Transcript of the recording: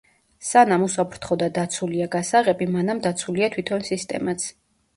სანამ უსაფრთხო და დაცულია გასაღები, მანამ დაცულია თვითონ სისტემაც.